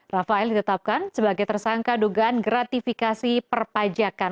rafael ditetapkan sebagai tersangka dugaan gratifikasi perpajakan